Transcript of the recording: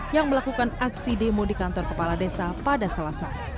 yang melakukan aksi demo di kantor kepala desa pada selasa